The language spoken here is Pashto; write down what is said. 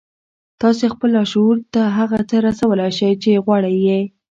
تاسې خپل لاشعور ته هغه څه رسولای شئ چې غواړئ يې.